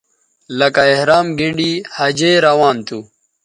لکہ احرام گینڈی حجے روان تھو